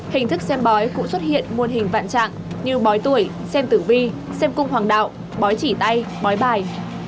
hình thức xem bói cũng xuất hiện muôn hình vạn trạng như bói tuổi xem tử vi xem cung hoàng đạo bói chỉ tay bói bài